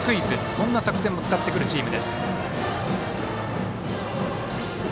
そんな作戦も使ってくるチーム。